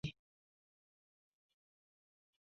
এদিকে দেখ, হান জং-হি।